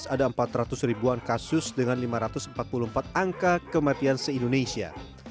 ada empat ratus ribuan kasus dengan lima ratus empat puluh empat angka kematian se indonesia